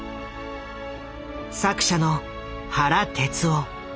作者の原哲夫。